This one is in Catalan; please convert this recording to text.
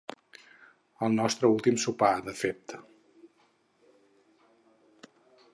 El nostre últim sopar, de fet.